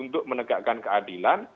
untuk menegakkan keadilan